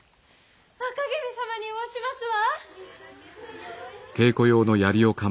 若君様におわしますわ！